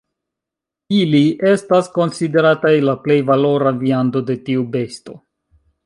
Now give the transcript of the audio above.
Ili estas konsiderataj la plej valora viando de tiu besto.